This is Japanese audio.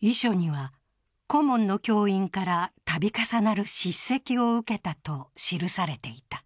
遺書には、顧問の教員からたび重なる叱責を受けたと記されていた。